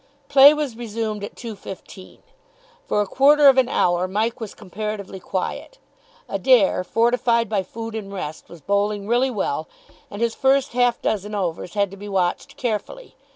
Play was resumed at 2.15. For a quarter of an hour Mike was comparatively quiet. Adair, fortified by food and rest, was bowling really well, and his first half dozen overs had to be watched carefully.